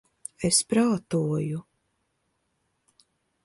Es prātoju...